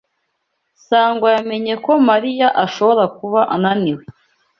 Sangwa yamenye ko Mariya ashobora kuba ananiwe.